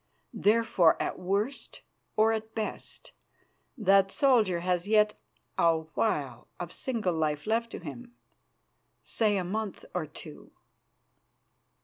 Therefore, at worst, or at best, that soldier has yet a while of single life left to him, say a month or two."